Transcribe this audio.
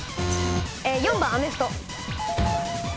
４番アメフト。